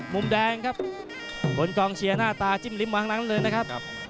มุมแดงครับบนกองเชียร์หน้าตาจิ้มลิ้มมาทั้งนั้นเลยนะครับ